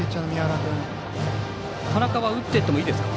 田中は打っていってもいいですか？